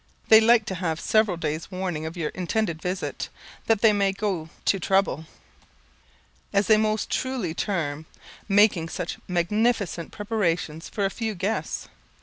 They like to have several days' warning of your intended visit, that they may go "to trouble," as they most truly term making such magnificent preparations for a few guests.